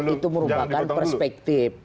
itu merupakan perspektif